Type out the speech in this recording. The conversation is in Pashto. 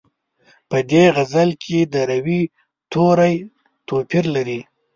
په دې غزل کې د روي توري توپیر لري.